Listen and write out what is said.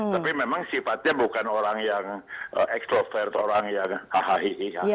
tapi memang sifatnya bukan orang yang extrovert orang yang ahi